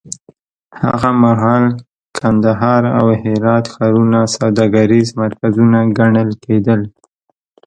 هغه مهال کندهار او هرات ښارونه سوداګریز مرکزونه ګڼل کېدل.